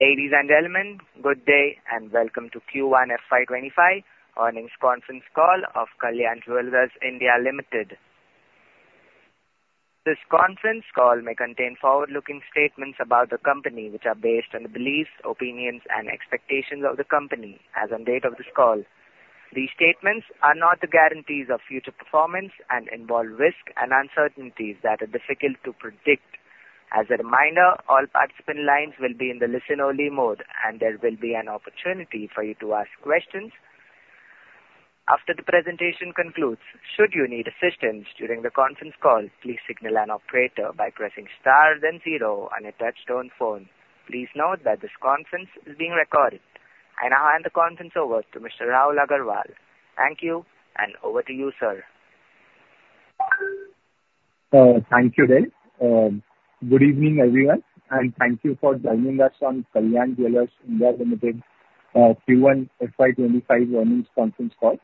Ladies and gentlemen, good day and welcome to Q1 FY 2025 earnings conference call of Kalyan Jewellers India Limited. This conference call may contain forward-looking statements about the company, which are based on the beliefs, opinions, and expectations of the company as of the date of this call. These statements are not the guarantees of future performance and involve risk and uncertainties that are difficult to predict. As a reminder, all participant lines will be in the listen-only mode, and there will be an opportunity for you to ask questions after the presentation concludes. Should you need assistance during the conference call, please signal an operator by pressing star then zero on a touch-tone phone. Please note that this conference is being recorded. I hand the conference over to Mr. Rahul Agarwal. Thank you, and over to you, sir. Thank you, Del. Good evening, everyone, and thank you for joining us on Kalyan Jewellers India Limited Q1 FY 2025 earnings conference call.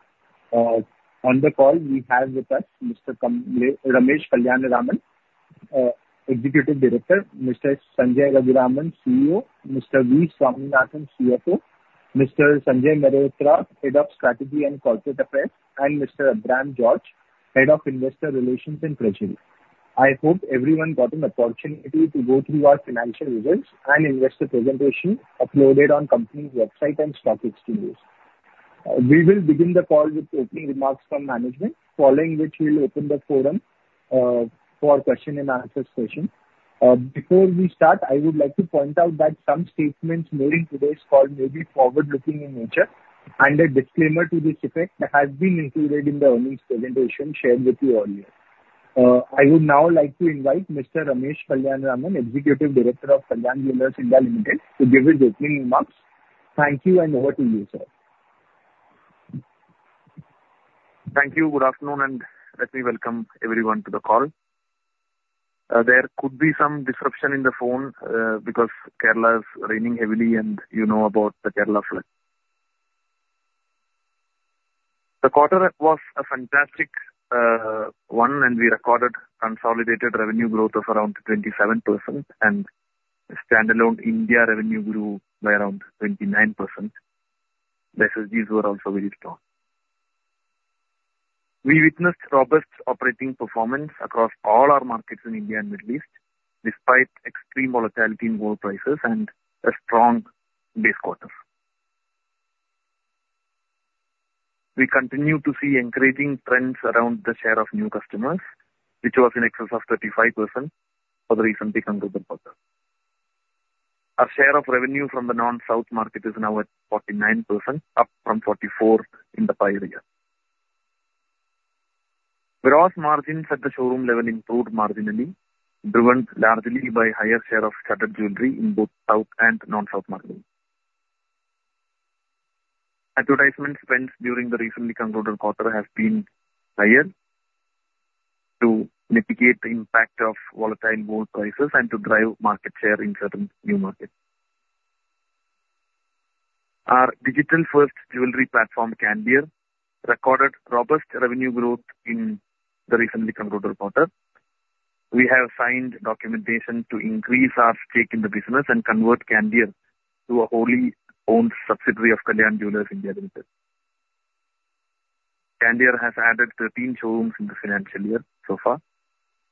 On the call, we have with us Mr. Ramesh Kalyanaraman, Executive Director, Mr. Sanjay Raghuraman, CEO, Mr. V. Swaminathan, CFO, Mr. Sanjay Raghuraman, Head of Strategy and Corporate Affairs, and Mr. Abraham George, Head of Investor Relations and Treasury. I hope everyone got an opportunity to go through our financial results and investor presentation uploaded on the company's website and stock exchanges. We will begin the call with opening remarks from management, following which we'll open the forum for question and answer session. Before we start, I would like to point out that some statements made in today's call may be forward-looking in nature, and a disclaimer to this effect has been included in the earnings presentation shared with you earlier. I would now like to invite Mr. Ramesh Kalyanaraman, Executive Director of Kalyan Jewellers India Limited, to give his opening remarks. Thank you, and over to you, sir. Thank you. Good afternoon, and let me welcome everyone to the call. There could be some disruption in the phone because Kerala is raining heavily, and you know about the Kerala flood. The quarter was a fantastic one, and we recorded consolidated revenue growth of around 27%, and standalone India revenue grew by around 29%. The SSGs were also very strong. We witnessed robust operating performance across all our markets in India and the Middle East, despite extreme volatility in gold prices and a strong base quarter. We continue to see encouraging trends around the share of new customers, which was in excess of 35% for the recently concluded quarter. Our share of revenue from the Non-South market is now at 49%, up from 44% in the prior year. Gross margins at the showroom level improved marginally, driven largely by a higher share of studded jewelry in both South and Non-South markets. Advertisement spends during the recently concluded quarter have been higher to mitigate the impact of volatile gold prices and to drive market share in certain new markets. Our digital-first jewelry platform, Candere, recorded robust revenue growth in the recently concluded quarter. We have signed documentation to increase our stake in the business and convert Candere to a wholly-owned subsidiary of Kalyan Jewellers India Limited. Candere has added 13 showrooms in the financial year so far,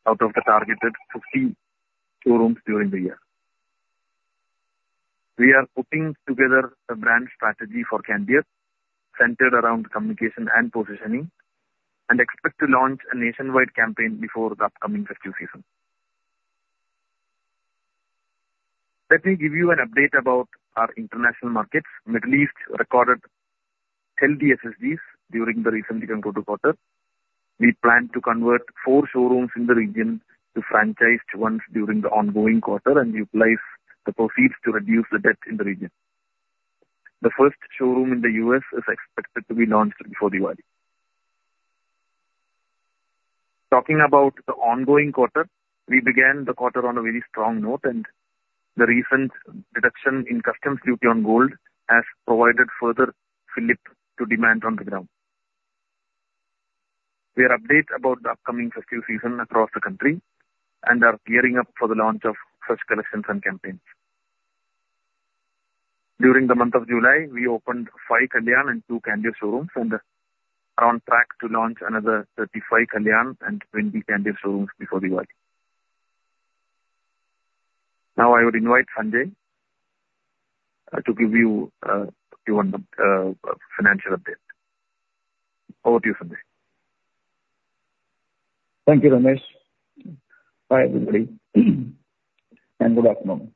out of the targeted 50 showrooms during the year. We are putting together a brand strategy for Candere, centered around communication and positioning, and expect to launch a nationwide campaign before the upcoming festive season. Let me give you an update about our international markets. The Middle East recorded healthy SSGs during the recently concluded quarter. We plan to convert 4 showrooms in the region to franchised ones during the ongoing quarter and utilize the proceeds to reduce the debt in the region. The first showroom in the U.S. is expected to be launched before the Diwali. Talking about the ongoing quarter, we began the quarter on a very strong note, and the recent reduction in customs duty on gold has provided further fillip to demand on the ground. We are updated about the upcoming festive season across the country and are gearing up for the launch of such collections and campaigns. During the month of July, we opened 5 Kalyan and 2 Candere showrooms and are on track to launch another 35 Kalyan and 20 Candere showrooms before the Diwali. Now, I would invite Sanjay to give you a financial update. Over to you, Sanjay. Thank you, Ramesh. Hi, everybody, and good afternoon.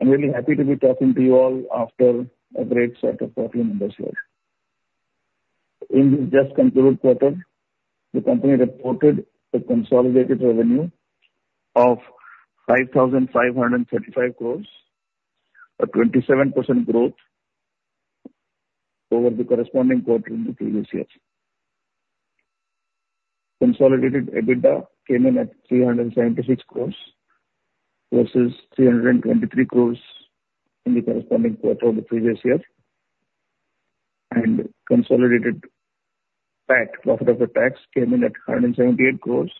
I'm really happy to be talking to you all after a great start of 14-months here. In this just concluded quarter, the company reported a consolidated revenue of 5,535 crores, a 27% growth over the corresponding quarter in the previous year. Consolidated EBITDA came in at 376 crores versus 323 crores in the corresponding quarter of the previous year, and consolidated PAT, Profit After Tax, came in at 178 crores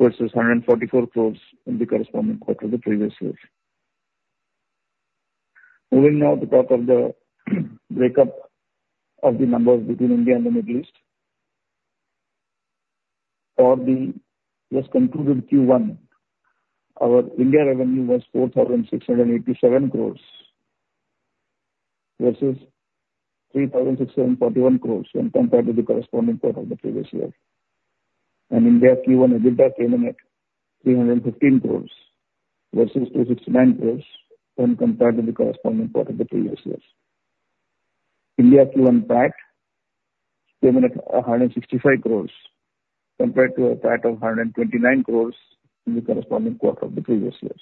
versus 144 crores in the corresponding quarter of the previous year. Moving now to talk of the breakup of the numbers between India and the Middle East. For the just concluded Q1, our India revenue was 4,687 crores versus 3,641 crores when compared to the corresponding quarter of the previous year. India Q1 EBITDA came in at 315 crores versus 269 crores when compared to the corresponding quarter of the previous year. India Q1 PAT came in at 165 crores compared to a PAT of 129 crores in the corresponding quarter of the previous year.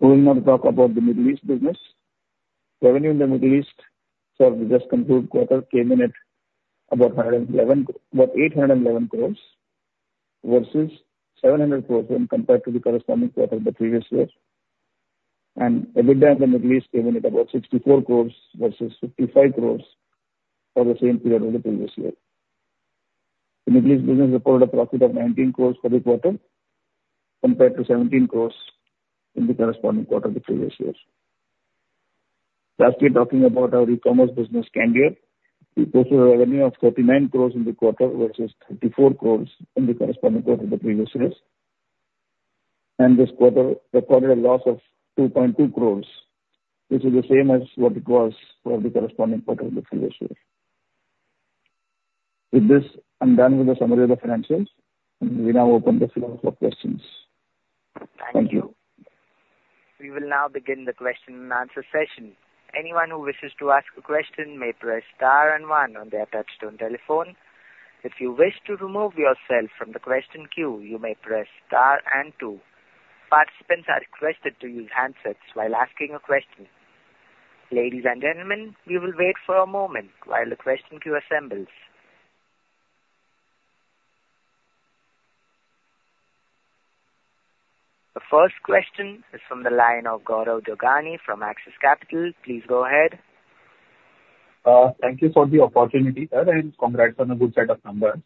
Moving on to talk about the Middle East business. Revenue in the Middle East for the just concluded quarter came in at about 811 crores versus 700 crores when compared to the corresponding quarter of the previous year. And EBITDA in the Middle East came in at about 64 crores versus 55 crores for the same period of the previous year. The Middle East business reported a profit of 19 crores for the quarter compared to 17 crores in the corresponding quarter of the previous year. Lastly, talking about our e-commerce business, Candere, we posted a revenue of 49 crores in the quarter versus 34 crores in the corresponding quarter of the previous year. This quarter recorded a loss of 2.2 crores, which is the same as what it was for the corresponding quarter of the previous year. With this, I'm done with the summary of the financials. We now open the floor for questions. Thank you. We will now begin the question and answer session. Anyone who wishes to ask a question may press star and one on the touch-tone telephone. If you wish to remove yourself from the question queue, you may press star and two. Participants are requested to use handsets while asking a question. Ladies and gentlemen, we will wait for a moment while the question queue assembles. The first question is from the line of Gaurav Jogani from Axis Capital. Please go ahead. Thank you for the opportunity, sir, and congrats on a good set of numbers.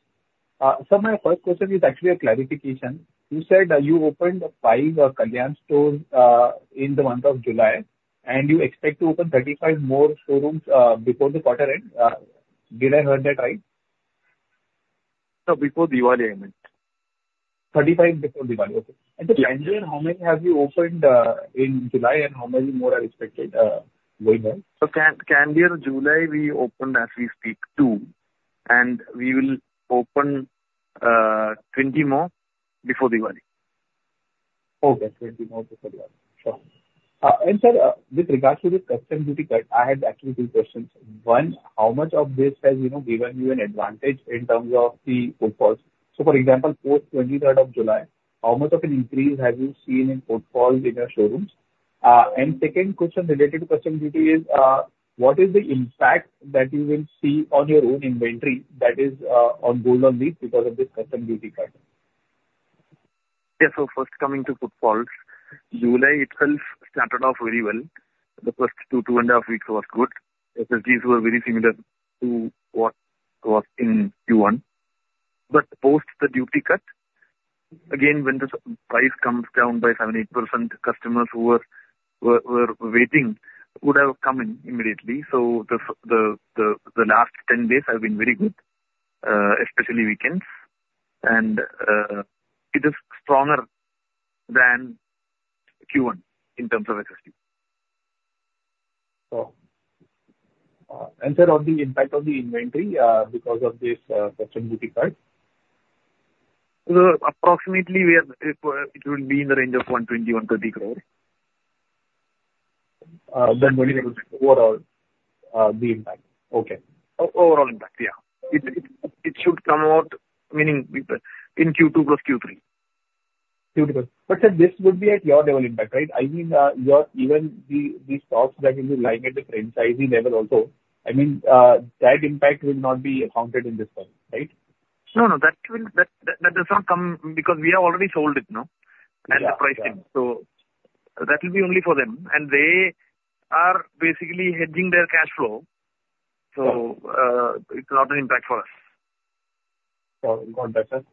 Sir, my first question is actually a clarification. You said you opened 5 Kalyan stores in the month of July, and you expect to open 35 more showrooms before the quarter end. Did I hear that right? No, before Diwali I meant. 35 before Diwali. Okay. And Candere, how many have you opened in July, and how many more are expected going ahead? Candere, July we opened as we speak, 2, and we will open 20 more before Diwali. Okay, 20 more before Diwali. Sure. And sir, with regards to the customs duty cut, I had actually two questions. One, how much of this has given you an advantage in terms of the footfalls? So for example, post 23rd of July, how much of an increase have you seen in footfalls in your showrooms? And second question related to customs duty is, what is the impact that you will see on your own inventory that is on gold only because of this customs duty cut? Yeah, so first coming to footfalls, July itself started off very well. The first two, two and a half weeks was good. SSGs were very similar to what was in Q1. But post the duty cut, again, when the price comes down by 70%, customers who were waiting would have come in immediately. So the last 10 days have been very good, especially weekends. And it is stronger than Q1 in terms of SSG. Sir, on the impact of the inventory because of this customs duty cut? Approximately it will be in the range of 120 crores-130 crores. than 20% overall the impact. Okay. Overall impact, yeah. It should come out, meaning in Q2 + Q3. Q2 plus. But sir, this would be at your level impact, right? I mean, even these stocks that you like at the franchisee level also, I mean, that impact will not be accounted in this time, right? No, no, that does not come because we have already sold it now and the price changed. So that will be only for them. And they are basically hedging their cash flow. So it's not an impact for us. Got it, sir.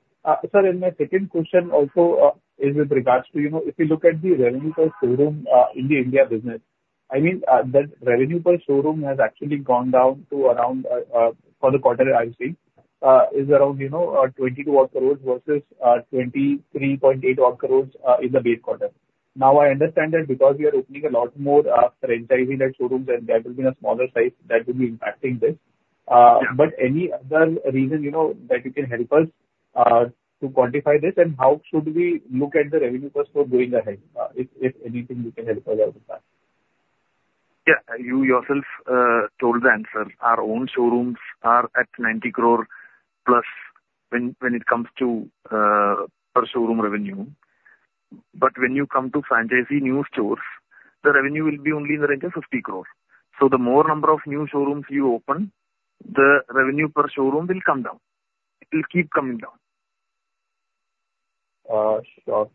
Sir, and my second question also is with regards to, if you look at the revenue per showroom in the India business, I mean, that revenue per showroom has actually gone down to around, for the quarter I've seen, is around 22-odd crores versus 23.8-odd crores in the base quarter. Now, I understand that because we are opening a lot more franchisee-led showrooms, and that will be a smaller size that will be impacting this. But any other reason that you can help us to quantify this, and how should we look at the revenue first for going ahead? If anything, you can help us out with that. Yeah, you yourself told the answer. Our own showrooms are at 90 crore+ when it comes to per showroom revenue. But when you come to franchisee new stores, the revenue will be only in the range of 50 crores. So the more number of new showrooms you open, the revenue per showroom will come down. It will keep coming down. Sure.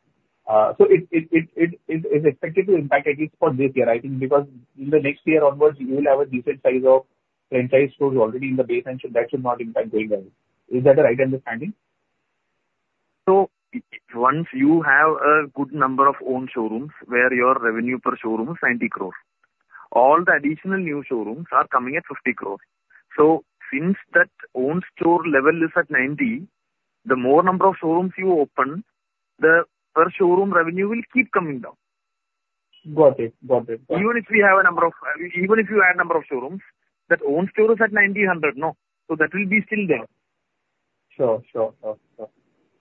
So it is expected to impact at least for this year, I think, because in the next year onwards, you will have a decent size of franchise stores already in the base, and that should not impact going ahead. Is that a right understanding? So once you have a good number of owned showrooms where your revenue per showroom is 90 crore, all the additional new showrooms are coming at 50 crore. So since that owned store level is at 90, the more number of showrooms you open, the per showroom revenue will keep coming down. Got it. Got it. Even if you add a number of showrooms, that owned store is at 90, 100, no. So that will be still there. Sure, sure, sure, sure.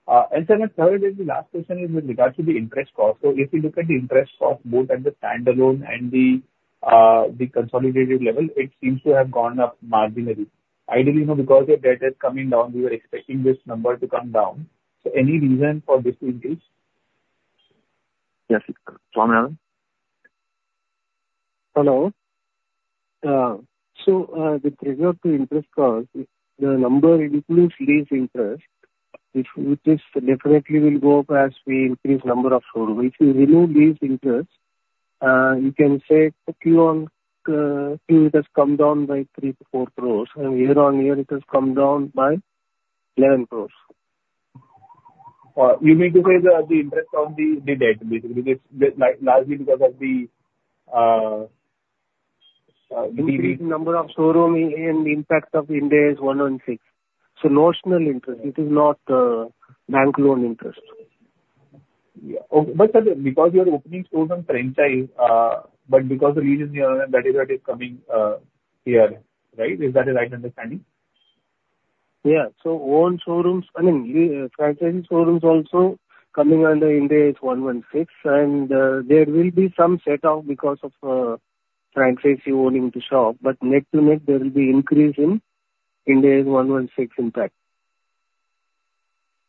Sir, my third and the last question is with regards to the interest cost. So if you look at the interest cost, both at the standalone and the consolidated level, it seems to have gone up marginally. Ideally, because your debt is coming down, we were expecting this number to come down. So any reason for this increase? Yes, sir. V. Swaminathan. Hello. So with regard to interest cost, the number increased lease interest, which definitely will go up as we increase the number of showrooms. If you remove lease interest, you can say Q1, it has come down by 3-4 crores, and year-on-year, it has come down by 11 crores. You mean to say the interest on the debt, basically, largely because of the. The number of showrooms and the impact in Ind AS 116. So, notional interest, it is not bank loan interest. Sir, because you are opening stores on franchise, but because the region, that is what is coming here, right? Is that a right understanding? Yeah. So owned showrooms, I mean, franchisee showrooms also coming under Ind AS 116, and there will be some setup because of franchisee owning the shop, but net to net, there will be increase in Ind AS 116 impact.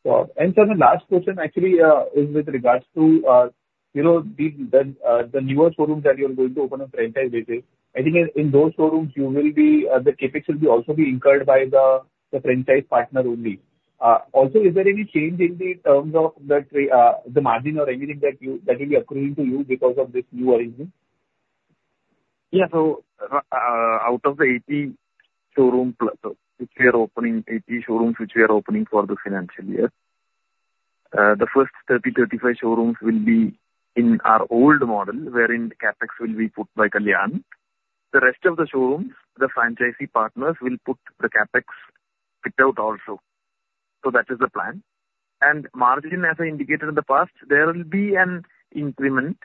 Sure. And sir, the last question actually is with regards to the newer showrooms that you are going to open on franchise basis. I think in those showrooms, the CapEx will also be incurred by the franchise partner only. Also, is there any change in the terms of the margin or anything that will be accruing to you because of this new arrangement? Yeah. So out of the 80 showrooms which we are opening, 80 showrooms which we are opening for the financial year, the first 30-35 showrooms will be in our old model wherein the CapEx will be put by Kalyan. The rest of the showrooms, the franchisee partners will put the CapEx split out also. So that is the plan. And margin, as I indicated in the past, there will be an increment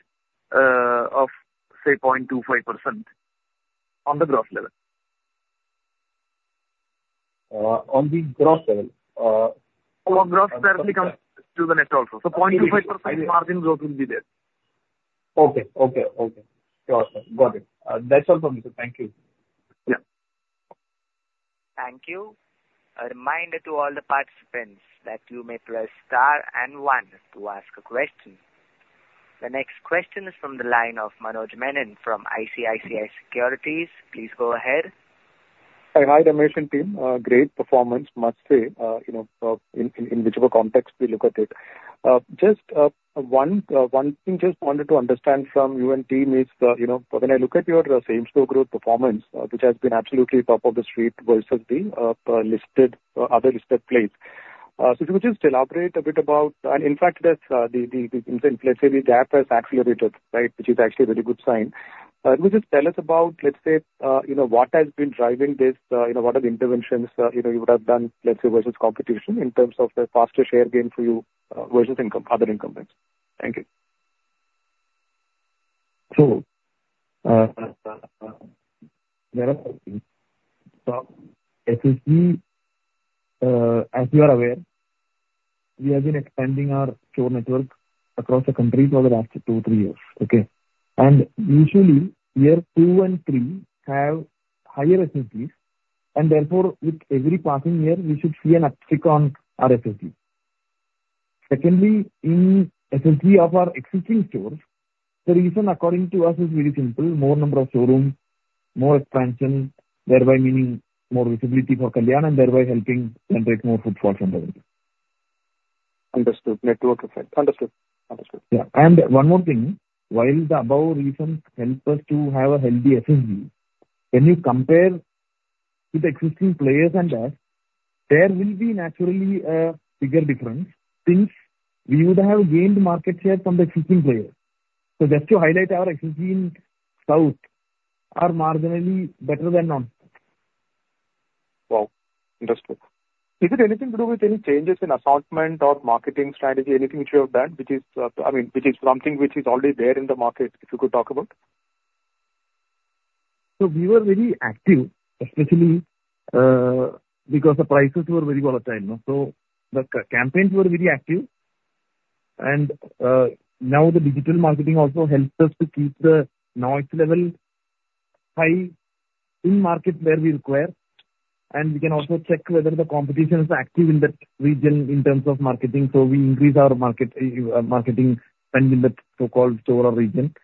of, say, 0.25% on the gross level. On the gross level? Or gross directly comes to the net also. So 0.25% margin growth will be there. Okay. Okay. Okay. Got it. Got it. That's all from me, sir. Thank you. Yeah. Thank you. A reminder to all the participants that you may press star and one to ask a question. The next question is from the line of Manoj Menon from ICICI Securities. Please go ahead. Hi, management team. Great performance, must say, in whichever context we look at it. Just one thing just wanted to understand from you and team is when I look at your same-store growth performance, which has been absolutely top of the street versus the other listed peers. So if you could just elaborate a bit about, and in fact, let's say the gap has accelerated, right, which is actually a very good sign. Would you just tell us about, let's say, what has been driving this, what are the interventions you would have done, let's say, versus competition in terms of the faster share gain for you versus other incumbents? Thank you. Sure. So, SSG, as you are aware, we have been expanding our store network across the country for the last 2, 3 years, okay? And usually, year 2 and 3 have higher SSGs, and therefore, with every passing year, we should see an uptick on our SSG. Secondly, in SSG of our existing stores, the reason according to us is very simple: more number of showrooms, more expansion, thereby meaning more visibility for Kalyan, and thereby helping generate more footfalls on the website. Understood. Network effect. Understood. Understood. Yeah. And one more thing. While the above reasons help us to have a healthy SSG, when you compare with the existing players and us, there will be naturally a bigger difference since we would have gained market share from the existing players. So just to highlight our SSG in south, are marginally better than north. Wow. Understood. Is it anything to do with any changes in assortment or marketing strategy, anything which you have done, which is, I mean, which is something which is already there in the market, if you could talk about? So we were very active, especially because the prices were very volatile. So the campaigns were very active. And now the digital marketing also helps us to keep the noise level high in market where we require. And we can also check whether the competition is active in that region in terms of marketing. So we increase our marketing spend in that so-called store region.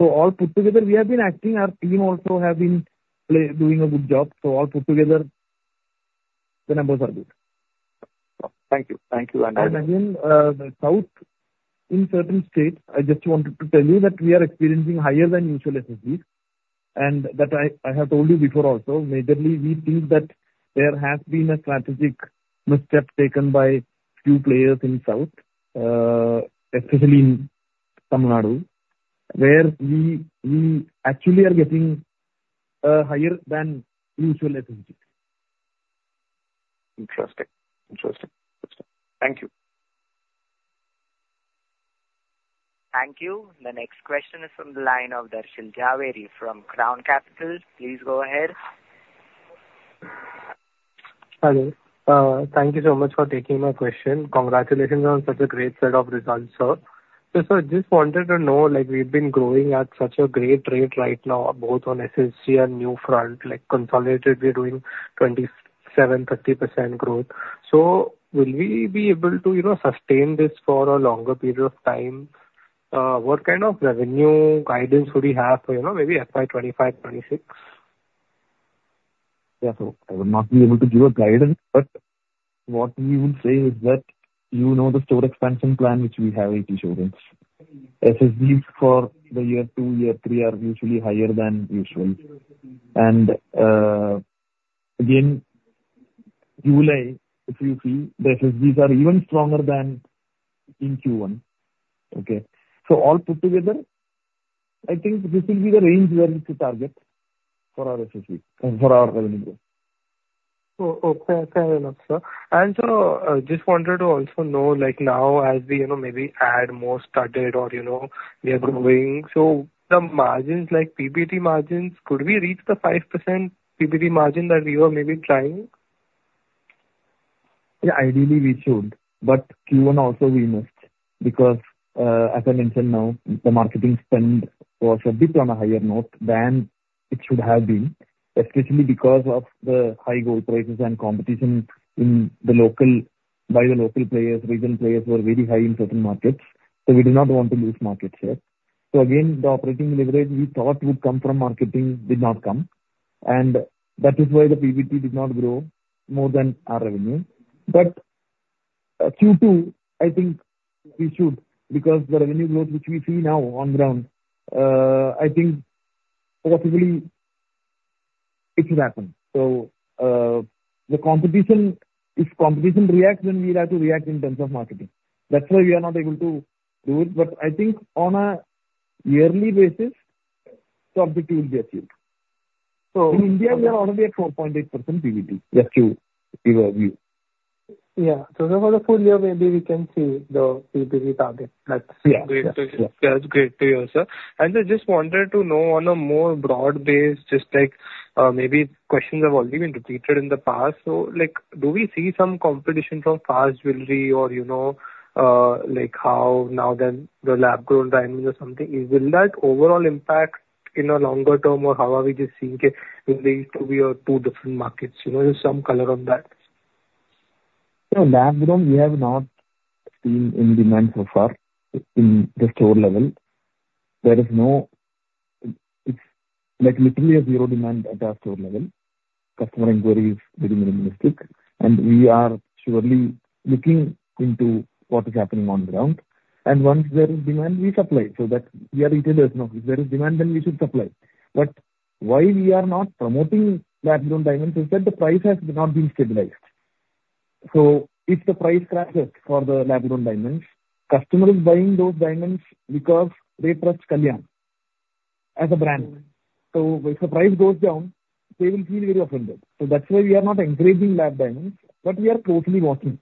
So all put together, we have been acting. Our team also has been doing a good job. So all put together, the numbers are good. Thank you. Thank you. And again, south in certain states, I just wanted to tell you that we are experiencing higher than usual SSGs. And that I have told you before also, majorly, we think that there has been a strategic misstep taken by a few players in south, especially in Tamil Nadu, where we actually are getting higher than usual SSGs. Interesting. Interesting. Thank you. Thank you. The next question is from the line of Darshan Jhaveri from Crown Capital. Please go ahead. Hi, sir. Thank you so much for taking my question. Congratulations on such a great set of results, sir. So, sir, I just wanted to know, we've been growing at such a great rate right now, both on SSG and new front, consolidated, we're doing 27%-30% growth. So will we be able to sustain this for a longer period of time? What kind of revenue guidance would we have maybe FY 2025, 2026? Yeah, so I will not be able to give a guidance, but what we will say is that, you know, the store expansion plan which we have in place. SSGs for year two, year three are usually higher than usual. And again, July, if you see, the SSGs are even stronger than in Q1, okay? So all put together, I think this will be the range where we could target for our SSG, for our revenue growth. Oh, thank you a lot, sir. Sir, I just wanted to also know, now as we maybe add more stores or we are growing, so the margins, like PBT margins, could we reach the 5% PBT margin that we were maybe trying? Yeah, ideally, we should. But Q1 also, we missed because, as I mentioned now, the marketing spend was a bit on a higher note than it should have been, especially because of the high gold prices and competition by the local players. Regional players were very high in certain markets. So we did not want to lose market share. So again, the operating leverage we thought would come from marketing did not come. And that is why the PBT did not grow more than our revenue. But Q2, I think we should because the revenue growth which we see now on ground, I think possibly it should happen. So the competition, if competition reacts, then we have to react in terms of marketing. That's why we are not able to do it. But I think on a yearly basis, the objective will be achieved. In India, we are already at 4.8% PBT. Yes, to your view. Yeah. So for the full year, maybe we can see the PBT target. Yeah. That's great to hear, sir. I just wanted to know on a more broad base, just maybe questions have already been repeated in the past. Do we see some competition from fast jewelry or how now then the lab-grown diamonds or something? Will that overall impact in a longer term or how are we just seeing it in these two or two different markets? Just some color on that. So, lab-grown, we have not seen any demand so far in the store level. There is literally zero demand at our store level. Customer inquiries are very minimalistic. We are surely looking into what is happening on the ground. Once there is demand, we supply. So that we are iterative. If there is demand, then we should supply. But why we are not promoting lab-grown diamonds is that the price has not been stabilized. So if the price crashes for the lab-grown diamonds, customers are buying those diamonds because they trust Kalyan as a brand. So if the price goes down, they will feel very offended. So that's why we are not encouraging lab diamonds, but we are closely watching.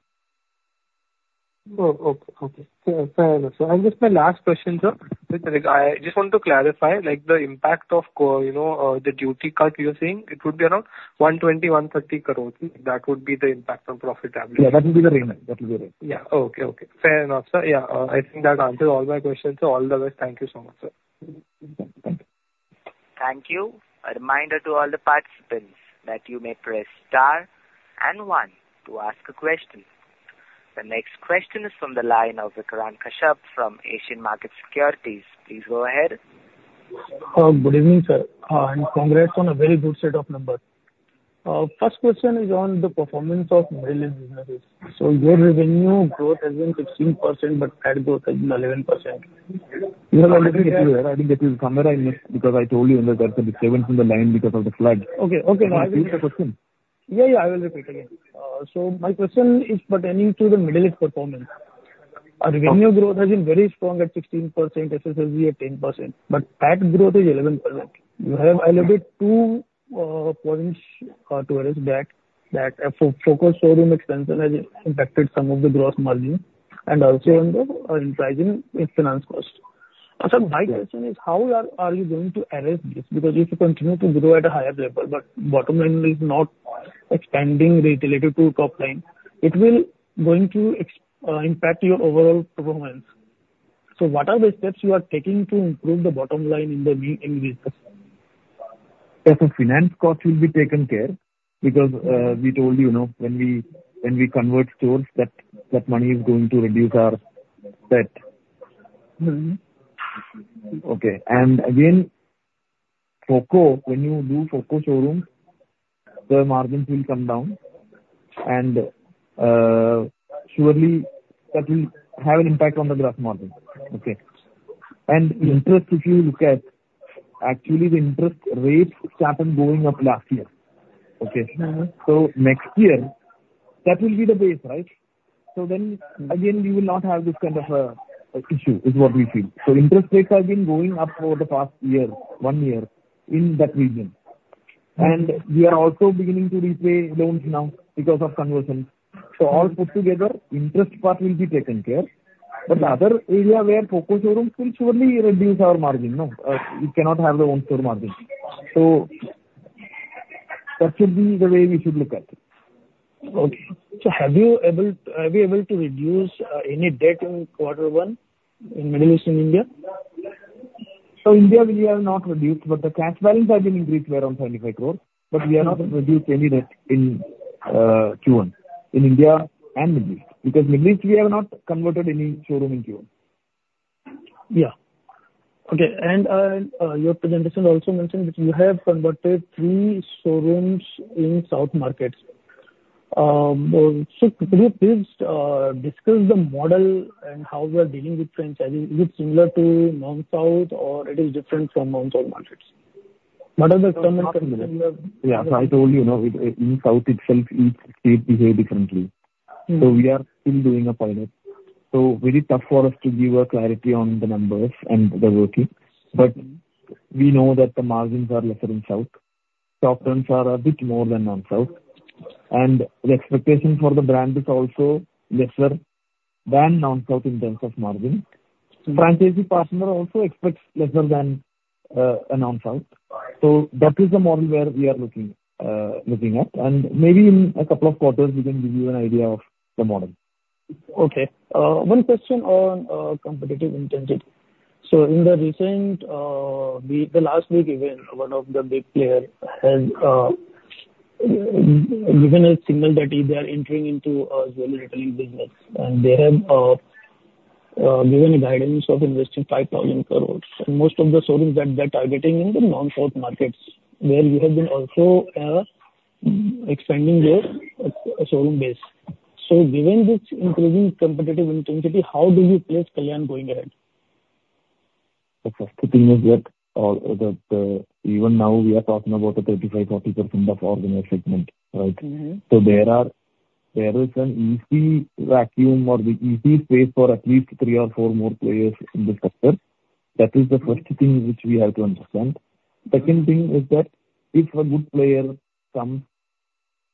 Oh, okay. Okay. Fair enough, sir. Just my last question, sir. I just want to clarify the impact of the duty cut you're saying, it would be around 120-130 crores. That would be the impact on profitability. Yeah, that would be the range. That would be the range. Yeah. Okay. Okay. Fair enough, sir. Yeah. I think that answers all my questions. So all the best. Thank you so much, sir. Thank you. Thank you. A reminder to all the participants that you may press star and one to ask a question. The next question is from the line of Vikrant Kashyap from Asian Market Securities. Please go ahead. Good evening, sir. Congrats on a very good set of numbers. First question is on the performance of mature businesses. Your revenue growth has been 16%, but EBITDA growth has been 11%. You have already given it, sir. I think it is something I missed because I told you that there's a disturbance in the line because of the flood. Okay. Okay. Now I will repeat the question. Yeah, yeah. I will repeat again. So my question is pertaining to the mid-year performance. Our revenue growth has been very strong at 16%, SSG at 10%, but EBITDA growth is 11%. You have elevated 2 points towards that FOCO showroom expansion has impacted some of the gross margin and also in pricing with finance cost. Sir, my question is, how are you going to address this? Because if you continue to grow at a higher level, but bottom line is not expanding related to top line, it will going to impact your overall performance. So what are the steps you are taking to improve the bottom line in the business? Yeah. So finance cost will be taken care because we told you when we convert stores, that money is going to reduce our debt. Okay. And again, FOCO, when you do FOCO showroom, the margins will come down. And surely that will have an impact on the gross margin, okay? And interest, if you look at, actually, the interest rates started going up last year, okay? So next year, that will be the base, right? So then again, we will not have this kind of issue is what we feel. So interest rates have been going up for the past year, one year in that region. And we are also beginning to repay loans now because of conversion. So all put together, interest part will be taken care. But the other area where FOCO showrooms will surely reduce our margin. No, we cannot have the own store margin. That should be the way we should look at it. Okay. So have you been able to reduce any debt in quarter one in Middle East and India? So, India, we have not reduced, but the cash balance has been increased by around 25 crores. But we have not reduced any debt in Q1 in India and Middle East because in the Middle East, we have not converted any showroom in Q1. Yeah. Okay. And your presentation also mentioned that you have converted three showrooms in South markets. So could you please discuss the model and how you are dealing with franchising? Is it similar to Non-South, or it is different from Non-South markets? What are the terms and conditions? Yeah. So I told you, in south itself, each state behaves differently. So we are still doing a pilot. So very tough for us to give clarity on the numbers and the working. But we know that the margins are lesser in south. Sovereigns are a bit more than Non-South. And the expectation for the brand is also lesser than Non-South in terms of margin. Franchisee partner also expects lesser than a Non-South. So that is the model where we are looking at. And maybe in a couple of quarters, we can give you an idea of the model. Okay. One question on competitive intensity. So in the recent, the last week even, one of the big players has given a signal that they are entering into a jewelry retailing business. And they have given a guidance of investing 5,000 crore. And most of the showrooms that they're targeting in the Non-South markets, where you have been also expanding your showroom base. So given this increasing competitive intensity, how do you place Kalyan going ahead? The first thing is that even now we are talking about a 35%-40% of our vendor segment, right? So there is an easy vacuum or the easy space for at least three or four more players in the sector. That is the first thing which we have to understand. Second thing is that if a good player comes,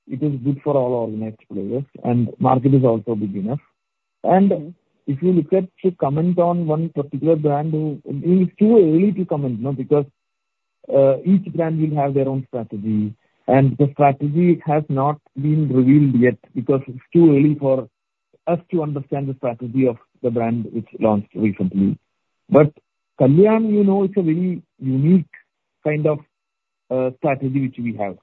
it is good for all organized players, and market is also big enough. And if you look at to comment on one particular brand, it's too early to comment because each brand will have their own strategy. And the strategy has not been revealed yet because it's too early for us to understand the strategy of the brand which launched recently. But Kalyan, you know, it's a very unique kind of strategy which we have,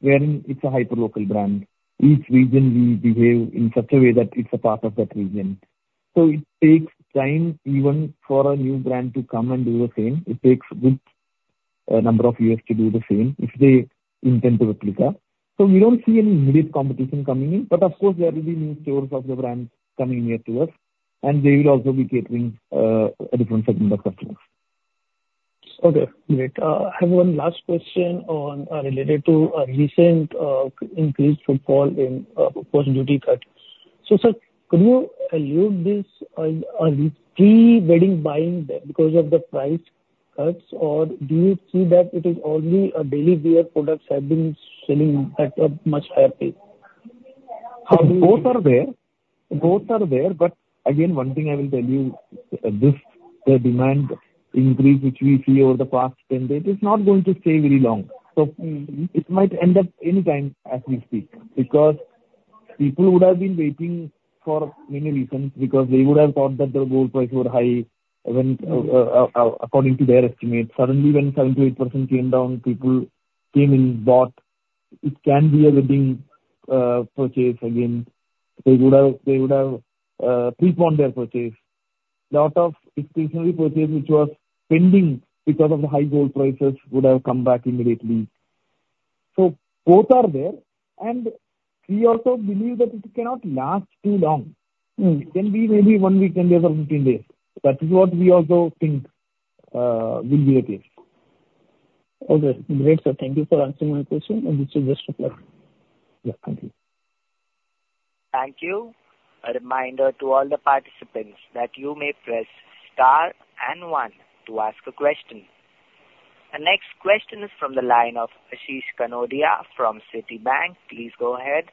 wherein it's a hyperlocal brand. Each region, we behave in such a way that it's a part of that region. It takes time even for a new brand to come and do the same. It takes a good number of years to do the same if they intend to replicate. We don't see any immediate competition coming in. Of course, there will be new stores of the brands coming here to us. They will also be catering a different segment of customers. Okay. Great. I have one last question related to recent increased footfall in post-duty cut. So sir, could you elaborate on this? Are these pre-wedding buying because of the price cuts, or do you see that it is only daily wear products have been selling at a much higher pace? Both are there. Both are there. But again, one thing I will tell you, the demand increase which we see over the past 10 days is not going to stay very long. So it might end up any time as we speak because people would have been waiting for many reasons because they would have thought that the gold prices were high according to their estimates. Suddenly, when 78% came down, people came and bought. It can be a wedding purchase again. They would have preponed their purchase. A lot of occasional purchases which was pending because of the high gold prices would have come back immediately. So both are there. And we also believe that it cannot last too long. It can be maybe one week, 10 days, or 15 days. That is what we also think will be the case. Okay. Great. Thank you for answering my question. This is just a flood. Yeah. Thank you. Thank you. A reminder to all the participants that you may press star and one to ask a question. The next question is from the line of Ashish Kanodia from Citi. Please go ahead.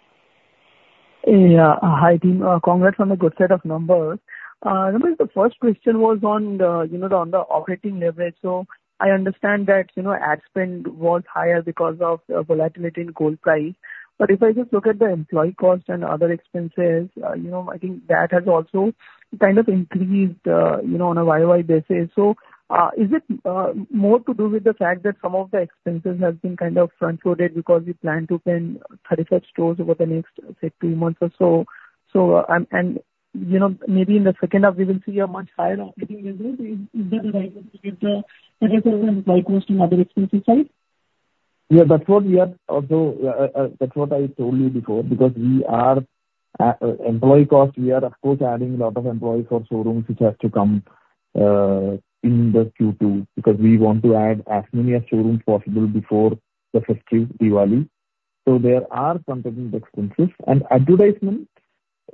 Yeah. Hi, team. Congrats on a good set of numbers. The first question was on the operating leverage. So I understand that ad spend was higher because of volatility in gold price. But if I just look at the employee cost and other expenses, I think that has also kind of increased on a YY basis. So is it more to do with the fact that some of the expenses have been kind of front-loaded because we plan to open 35 stores over the next, say, two months or so? And maybe in the second half, we will see a much higher operating leverage with the gold price cost and other expenses, right? Yeah. That's what we are also that's what I told you before because we are employee cost, we are, of course, adding a lot of employees for showrooms which have to come in the Q2 because we want to add as many showrooms possible before the festive Diwali. So there are competitive expenses. And advertisement,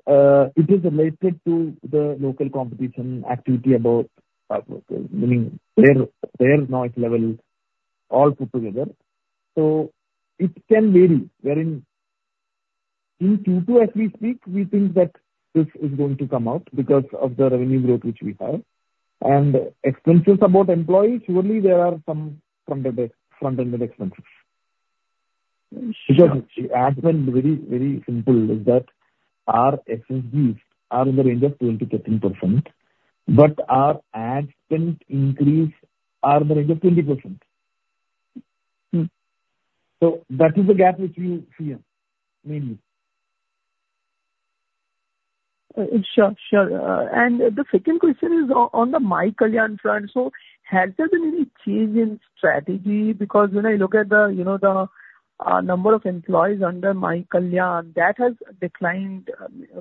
it is related to the local competition activity about, I mean, their noise level all put together. So it can vary. Wherein in Q2, as we speak, we think that this is going to come out because of the revenue growth which we have. And expenses about employees, surely there are some front-ended expenses. Because ad spend, very, very simple is that our expenses are in the range of 20%-30%, but our ad spend increase are in the range of 20%. So that is the gap which we see mainly. Sure. Sure. And the second question is on the My Kalyan front. So has there been any change in strategy? Because when I look at the number of employees under My Kalyan, that has declined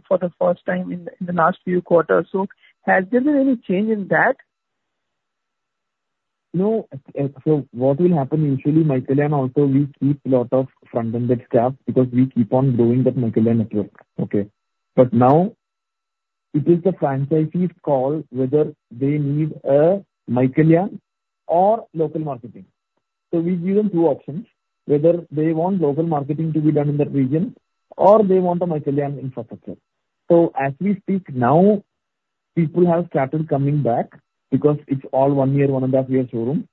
for the first time in the last few quarters. So has there been any change in that? No. So what will happen usually, My Kalyan also, we keep a lot of front-ended staff because we keep on growing that My Kalyan network, okay? But now it is the franchisee's call whether they need a My Kalyan or local marketing. So we give them two options. Whether they want local marketing to be done in that region or they want a My Kalyan infrastructure. So as we speak now, people have started coming back because it's all one year, one and a half year showroom,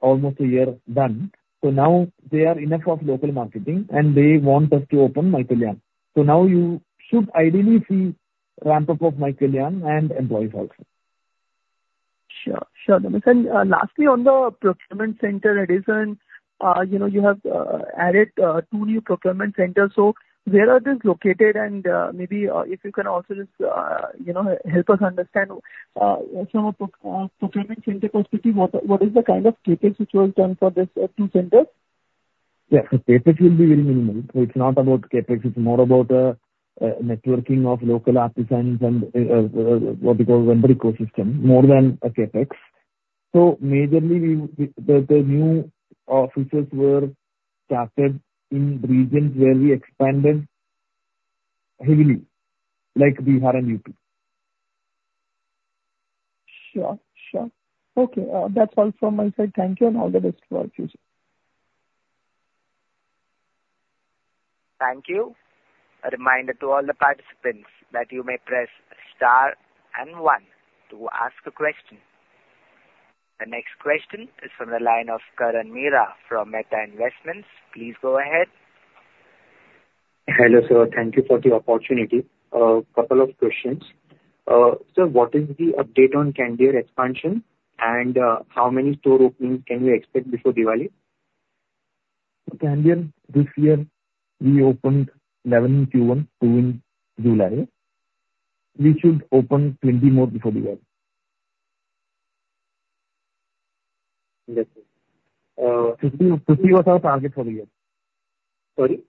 almost a year done. So now they are enough of local marketing, and they want us to open My Kalyan. So now you should ideally see ramp up of My Kalyan and employees also. Sure. Sure. And lastly, on the procurement center, in addition, you have added two new procurement centers. So where are these located? And maybe if you can also just help us understand from a procurement center perspective, what is the kind of CapEx which was done for these two centers? Yeah. So CapEx will be very minimal. So it's not about CapEx. It's more about networking of local artisans and what we call vendor ecosystem, more than a CapEx. So majorly, the new offices were started in regions where we expanded heavily, like Bihar and UP. Sure. Sure. Okay. That's all from my side. Thank you, and all the best to all future. Thank you. A reminder to all the participants that you may press star and one to ask a question. The next question is from the line of Karan Mehra from Mehta Investments. Please go ahead. Hello, sir. Thank you for the opportunity. A couple of questions. Sir, what is the update on Candere expansion? And how many store openings can you expect before Diwali? Candere, this year, we opened 11 Q1, 2 in July. We should open 20 more before Diwali. 50 was our target for the year. Sorry?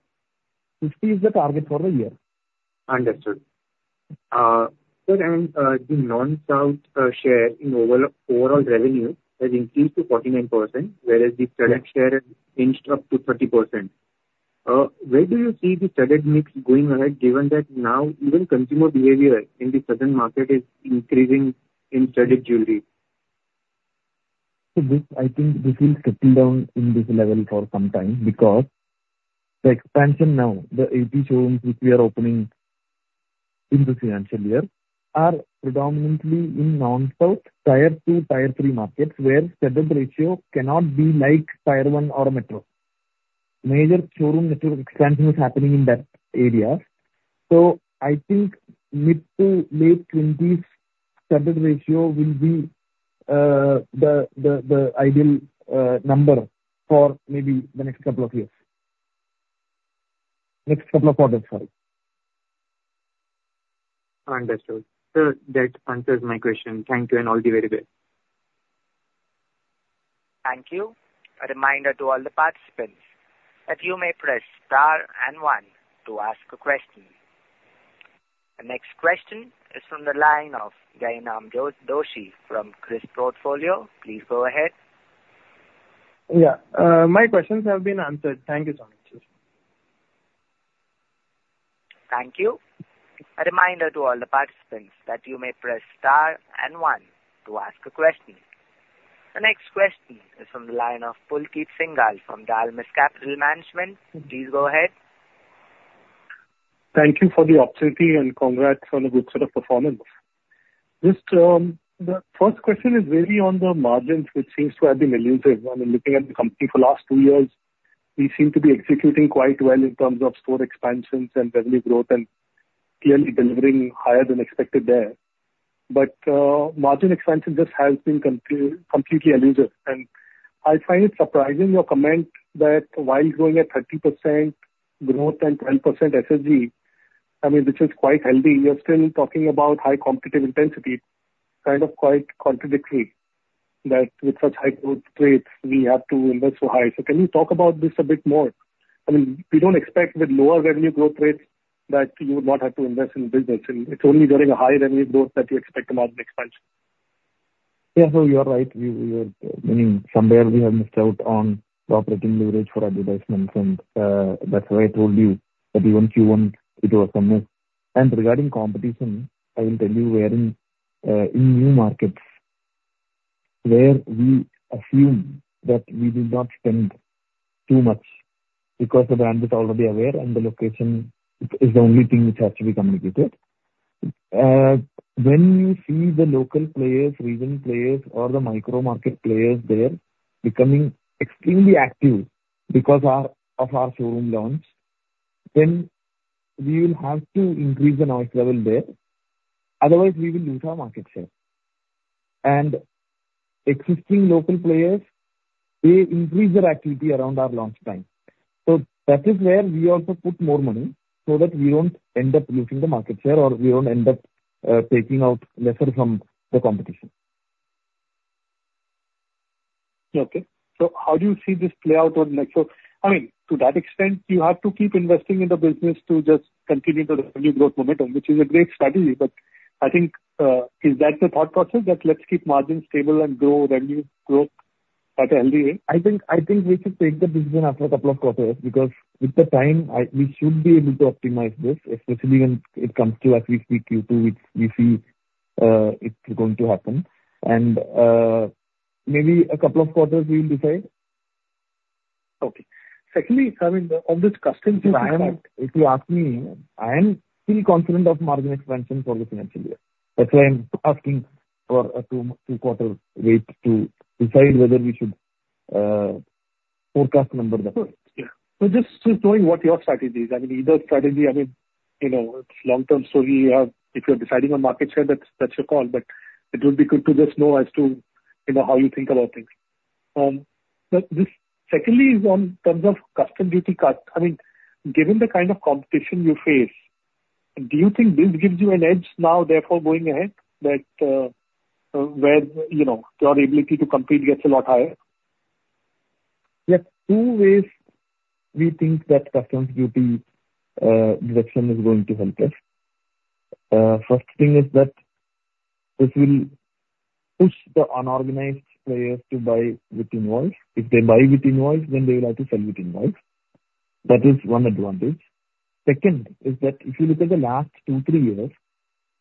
50 is the target for the year. Understood. Sir, the Non-South share in overall revenue has increased to 49%, whereas the credit share has inched up to 30%. Where do you see the credit mix going ahead given that now even consumer behavior in the southern market is increasing in credit jewelry? I think this is settling down in this level for some time because the expansion now, the 80 showrooms which we are opening in the financial year, are predominantly in Non-South, tier 2, tier 3 markets where credit ratio cannot be like tier 1 or metro. Major showroom network expansion is happening in that area. I think mid- to late-20s credit ratio will be the ideal number for maybe the next couple of years. Next couple of quarters, sorry. Understood. Sir, that answers my question. Thank you, and all the very best. Thank you. A reminder to all the participants that you may press star and one to ask a question. The next question is from the line of Jainam Joshi from Kriis Portfolio. Please go ahead. Yeah. My questions have been answered. Thank you so much, sir. Thank you. A reminder to all the participants that you may press star and one to ask a question. The next question is from the line of Pulkit Singhal from Dalmus Capital Management. Please go ahead. Thank you for the opportunity and congrats on a good set of performance. The first question is really on the margins, which seems to have been elusive. I mean, looking at the company for the last two years, we seem to be executing quite well in terms of store expansions and revenue growth and clearly delivering higher than expected there. But margin expansion just has been completely elusive. And I find it surprising your comment that while growing at 30% growth and 12% SSG, I mean, which is quite healthy, you're still talking about high competitive intensity, kind of quite contradictory that with such high growth rates, we have to invest so high. So can you talk about this a bit more? I mean, we don't expect with lower revenue growth rates that you would not have to invest in business. It's only during a high revenue growth that you expect a margin expansion. Yeah. No, you are right. I mean, somewhere we have missed out on the operating leverage for advertisements. And that's why I told you that we want Q1 to do a summary. Regarding competition, I will tell you where in new markets where we assume that we will not spend too much because the brand is already aware and the location is the only thing which has to be communicated. When you see the local players, regional players, or the micro market players there becoming extremely active because of our showroom launch, then we will have to increase the noise level there. Otherwise, we will lose our market share. Existing local players, they increase their activity around our launch time. So that is where we also put more money so that we don't end up losing the market share or we don't end up taking out lesser from the competition. Okay. So how do you see this play out on next? So I mean, to that extent, you have to keep investing in the business to just continue the revenue growth momentum, which is a great strategy. But I think, is that the thought process that let's keep margins stable and grow revenue growth at a healthy rate? I think we should take the decision after a couple of quarters because with the time, we should be able to optimize this, especially when it comes to, as we speak, Q2, which we see it's going to happen. And maybe a couple of quarters, we will decide. Okay. Secondly, I mean, of this customs requirement. If you ask me, I am still confident of margin expansion for the financial year. That's why I'm asking for a 2-quarter wait to decide whether we should forecast number that. Yeah. So just showing what your strategy is. I mean, either strategy, I mean, it's long-term story. If you're deciding on market share, that's your call. But it would be good to just know as to how you think about things. But secondly, on terms of customs duty cut, I mean, given the kind of competition you face, do you think this gives you an edge now, therefore going ahead, that where your ability to compete gets a lot higher? Yeah. Two ways we think that customs duty reduction is going to help us. First thing is that this will push the unorganized players to buy with invoice. If they buy with invoice, then they will have to sell with invoice. That is one advantage. Second is that if you look at the last two, three years,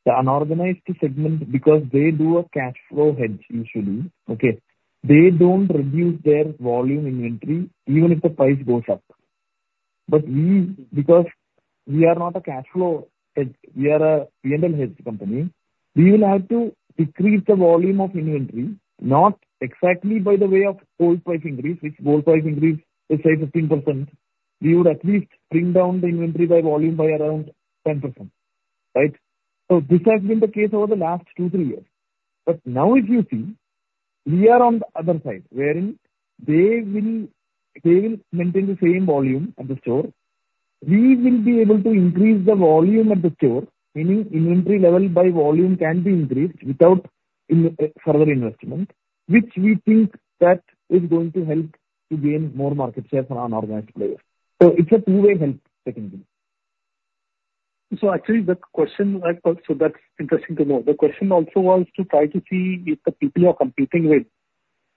the unorganized segment, because they do a cash flow hedge usually, okay, they don't reduce their volume inventory even if the price goes up. But because we are not a cash flow hedge, we are a P&L hedge company, we will have to decrease the volume of inventory, not exactly by the way of gold price increase, which gold price increase is, say, 15%. We would at least bring down the inventory by volume by around 10%, right? So this has been the case over the last two, three years. But now, if you see, we are on the other side, wherein they will maintain the same volume at the store. We will be able to increase the volume at the store, meaning inventory level by volume can be increased without further investment, which we think that is going to help to gain more market share for unorganized players. So it's a two-way help, technically. So actually, the question so that's interesting to know. The question also was to try to see if the people you are competing with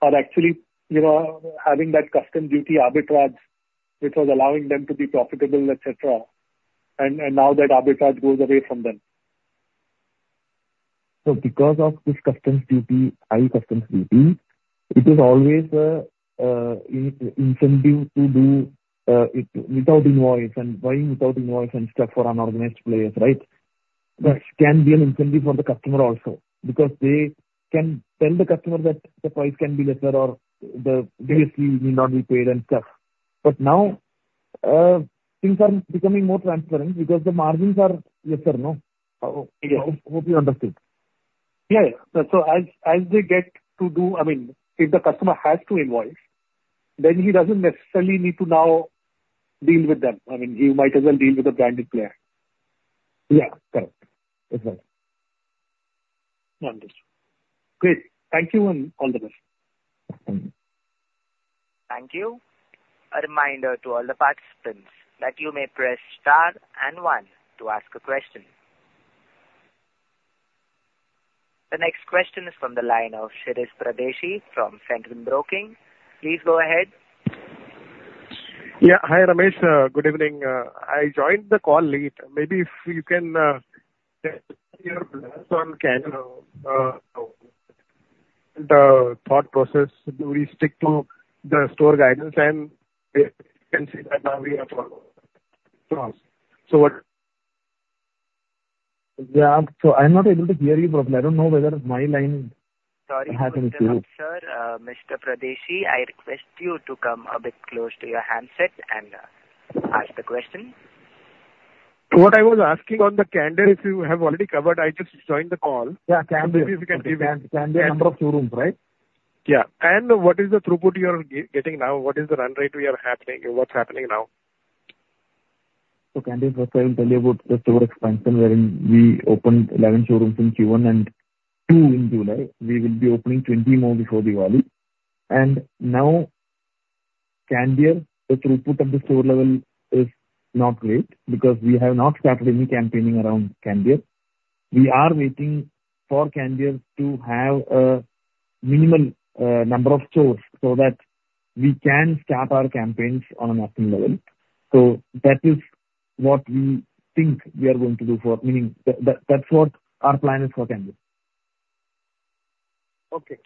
are actually having that Customs Duty arbitrage, which was allowing them to be profitable, etc., and now that arbitrage goes away from them. So because of this customs duty, high customs duty, it is always an incentive to do it without invoice and buying without invoice and stuff for unorganized players, right? That can be an incentive for the customer also because they can tell the customer that the price can be lesser or the GST will not be paid and stuff. But now things are becoming more transparent because the margins are lesser. No. Hope you understood. Yeah. So as they get to do, I mean, if the customer has to invoice, then he doesn't necessarily need to now deal with them. I mean, he might as well deal with a branded player. Yeah. Correct. That's right. Understood. Great. Thank you and all the best. Thank you. A reminder to all the participants that you may press star and one to ask a question. The next question is from the line of Shirish Pardeshi from Centrum Broking. Please go ahead. Yeah. Hi, Ramesh. Good evening. I joined the call late. Maybe if you can share your thoughts on the thought process, do we stick to the store guidance and can see that now we are following. Yeah. So I'm not able to hear you, but I don't know whether my line hasn't changed. Sorry, Mr. Pardeshi, I request you to come a bit close to your handset and ask the question. What I was asking on the Candere, if you have already covered. I just joined the call. Yeah. Candere, you can give it. Candere, number of showrooms, right? Yeah. What is the throughput you are getting now? What is the run rate? What's happening now? So Candere was trying to tell you about the store expansion wherein we opened 11 store rooms in Q1 and 2 in July. We will be opening 20 more before Diwali. And now, Candere, the throughput of the store level is not great because we have not started any campaigning around Candere. We are waiting for Candere to have a minimal number of stores so that we can start our campaigns on an action level. So that is what we think we are going to do for meaning that's what our plan is for Candere. Okay.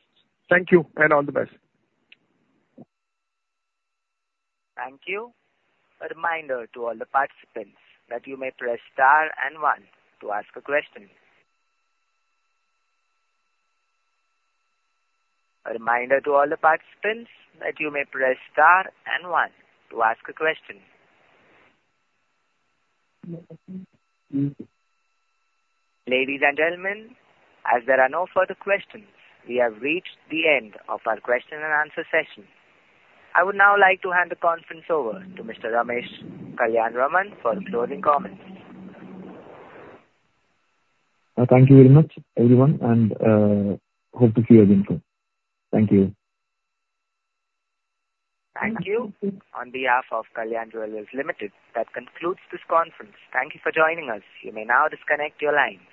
Thank you and all the best. Thank you. A reminder to all the participants that you may press star and one to ask a question. A reminder to all the participants that you may press star and one to ask a question. Ladies and gentlemen, as there are no further questions, we have reached the end of our question and answer session. I would now like to hand the conference over to Mr. Ramesh Kalyanaraman for closing comments. Thank you very much, everyone, and hope to see you again soon. Thank you. Thank you. On behalf of Kalyan Jewellers India Limited, that concludes this conference. Thank you for joining us. You may now disconnect your lines.